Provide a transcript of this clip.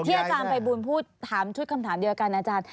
อาจารย์ภัยบูลพูดถามชุดคำถามเดียวกันอาจารย์